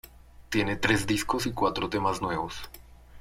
Tiene tres discos y cuatro temas nuevos.